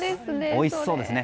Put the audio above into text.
おいしそうですね。